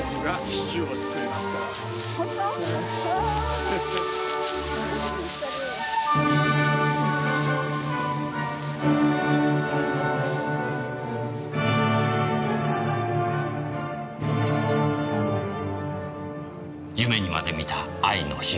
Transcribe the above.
夢にまで見た愛の日々。